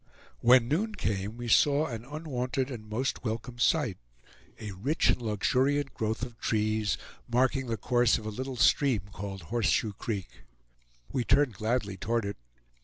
When noon came we saw an unwonted and most welcome sight; a rich and luxuriant growth of trees, marking the course of a little stream called Horseshoe Creek. We turned gladly toward it.